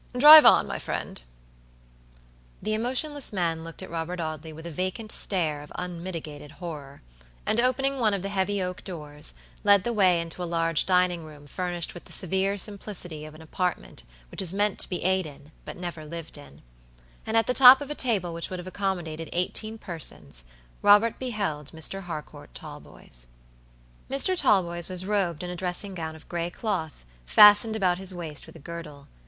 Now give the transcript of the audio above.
Drive on, my friend." The emotionless man looked at Robert Audley with a vacant stare of unmitigated horror, and opening one of the heavy oak doors, led the way into a large dining room furnished with the severe simplicity of an apartment which is meant to be ate in, but never lived in; and at top of a table which would have accommodated eighteen persons Robert beheld Mr. Harcourt Talboys. Mr. Talboys was robed in a dressing gown of gray cloth, fastened about his waist with a girdle.